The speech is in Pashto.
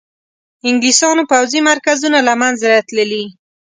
انګلیسیانو پوځي مرکزونه له منځه تللي.